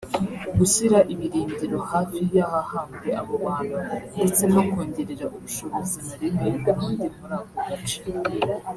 gushyira ibirindiro hafi y’ahahambwe abo bantu ndetse no kongerera ubushobozi marine y’u Burundi muri ako gace